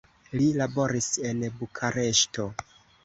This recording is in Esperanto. Li laboris en Bukareŝto.